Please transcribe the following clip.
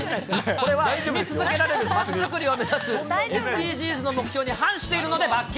これは、住み続けられる町づくりを目指すＳＤＧｓの目標に反しているので罰金。